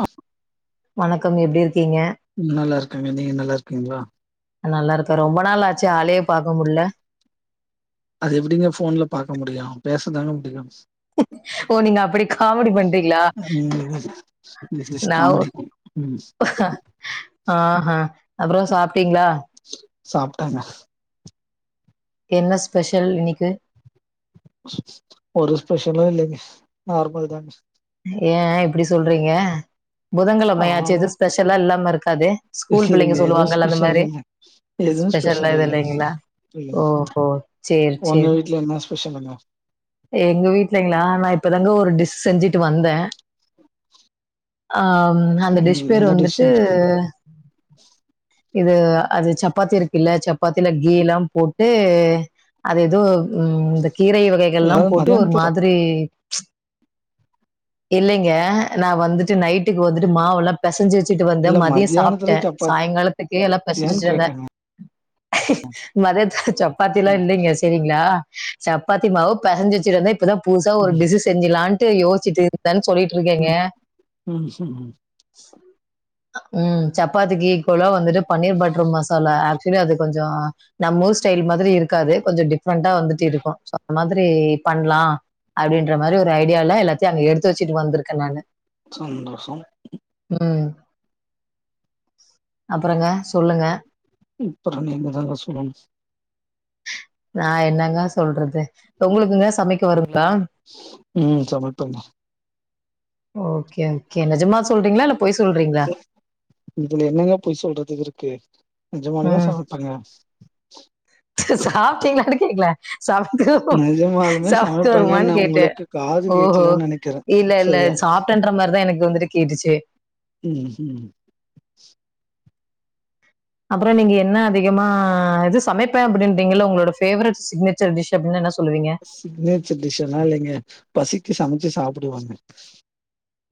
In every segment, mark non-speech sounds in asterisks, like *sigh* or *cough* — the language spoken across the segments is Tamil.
அ வணக்கம் எப்டி இரு ம் நல்லா இருக்கேங்க நீங்க நல்லா இருக்கீங்களா நல்லா இருக்கே ரொம்ப நாள் ஆச்சு ஆளே பாக்க முடில அது எப்டிங்க ஃபோன்ல பாக்க முடியு பேசதாங்க முடியு ஓ நீங்க அப்படி காமெடி பண்றீங்களா திஸ் இஸ் காமெடி ம் ஆஹ அப்புற சாப்ட்டீங்களா சாப்ட்டேங்க என்ன ஸ்பெஷல் இன்னிக்கு ஒரு ஸ்பெஷலு இல்லைங்க நார்மல் தாங்க ஏ இப்டி சொல்றீங்க புதங்கிழமையாச்சு எது ஆமா ஸ்பெஷல்லா இல்லாம இரு அதே ஸ்கூல் இல்லைங்க பிள்ளைங்க எதுவு சொல்லுவாங்க அந்த ஸ்பெஷல் மாரி இல்ல எதுவு ஸ்பெஷல்லா ஸ்பெஷல் எது இல்லைங்க இல்லைங்களா இல்லைங்க ஓஹோ சேர் சேர் ப்ப சொல்லுங்க எங்க வீட்லைங்களா நா இப்பதாங்க ஒரு டிஷ் செஞ்சுட்டு வந்தே ஆம் அந்த டிஷ் ம் பேர் என்ன டிஷ் வந்துட்டு இது அது சப்பாத்தி இருக்குல்ல சப்பாத்தில கீயலாம் போட்டு அது எதோ ம் இந்த கீரை வகைகள்லாம் ஏதாவது போட்டு ஒரு மதியானத்துல சப் மாதிரி இல்லைங்க நா வந்துட்டு நைட்டுக்கு வந்துட்டு மாவெல்லா பெசஞ்சு வெ ச்சுட்டு வந்தே இல்ல மதிய மத்தியானத்துல சாப்ட்டே சப்பாத்தியான்னு சாயங்காலத்துக்கே எல்லா பெசஞ்சு வெச்சுட்டு வந்தே கேட்டேங்க மதத்துல சப்பாத்தி எல்லா இல்லைங்க செரிங்களா சப்பாத்தி மாவு பெசஞ்சு வச்சுட்டு வந்தே இப்பதா புதுசா ஒரு ம் டிஸ்சு செஞ்சுலான் டு யோஸ்சிட்டு இருக்கேனு சொல்லிட்டு இருக்கேங்க ஆ *unintelligible* ம் சப்பாத்திக்கு ஈக்குவலா வந்துட்டு பன்னீர் பட்ரு மசாலா ஆக்சுவலி அது கொஞ்சோ நம் ஊர் ஸ்டைல் மாதிரி இருக்காது கொஞ்சோ டி ஃபறென்ட்டா வந்துட்டு இருக்கு சாப்பனா திரி பண்லா அப்டின்ற மாரி ஒரு ஐடியாலா எல்லாத்தையு அங்க எடுத்து வச்சுட்டு வந்திருக்கே நான்னு சந்தோஷம் ம் அப்புறங்க சொல்லுங்க ம் ப்புற நீங்கதாங்க சொல்லலும் நா என்னங்க சொல்றது உங்களுக்குங்க சமைக்க வரும் உம் சமபங்க ஓகே ஓகே நிஜமா சொல்றீங்களா இல்லப் இதுல என்னங்க போய் சொல்றதுக்கு இருக்கு நேஜமானுமே சாமைப்பங்க ஸ்சாப்டிங்கலன்னனு கேக்கல சாப்பிட்டுஹோ நெஜமாலுமே சாப்பட்டு வருமான்னு சமைப்பாங்கன்னு கேட்டேன் உங்களுக்கு காது ஓஹோ கேட்கலன்னு நெனைக்கிறேன். இல்ல இல்ல சரியா? ச சாப்டன்ற மாரிதான் எனக்கு வந்துட்டு கேட்டுச்சு ம் ம் அப்புறம் நீங்க என்ன அதிகமா இது சமைப்பேன் அப்படிம்பிங்கல உங்களோட பேவரட் சிக்னேச்சர் டிஷ் அப்படின்னுன சொ சிக்னேச்சர் டிஷ்யெல்ல இலைங்க பசிக்கு சமைச்சு சாப்புடுவோங்க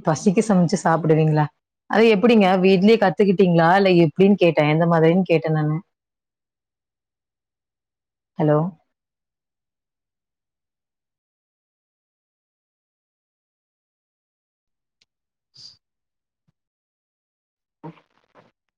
பசிக்கு சமைச்சு சாப்பிடுவீங்களா அது எப்படிங்க வீட்லயே கத்துக்கிட்டீங்களா இல்ல எப்படின்னு கேட்டேன் எந்த மாதிரின்னு கேட்டேன் நானு அ ஹலோ ஹ